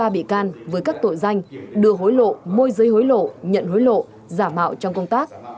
bốn mươi ba bị can với các tội danh đưa hối lộ môi giấy hối lộ nhận hối lộ giả mạo trong công tác